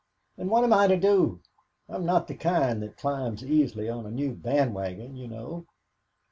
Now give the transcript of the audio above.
"And what am I to do? I'm not the kind that climbs easily on a new band wagon, you know."